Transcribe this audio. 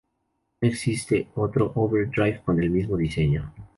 No existe otro overdrive con el mismo diseño.